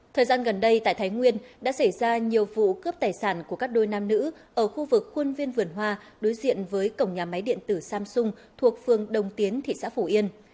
thời gian gần đây tại thái nguyên đã xảy ra nhiều vụ cướp tài sản của các đôi nam nữ ở khu vực khuôn viên vườn hoa đối diện với cổng nhà máy điện tử samsung thuộc phương đông tiến thị xã phổ yên